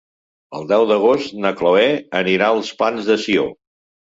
El deu d'agost na Chloé anirà als Plans de Sió.